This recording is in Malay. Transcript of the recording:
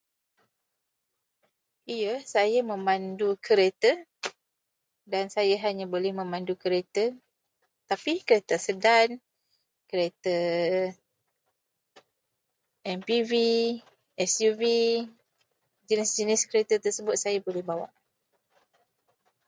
Ya, saya memandu kereta dan saya hanya boleh memandu kereta. Tapi kereta sedan, kereta MPV, SUV, jenis-jenis kereta tersebut saya boleh bawa.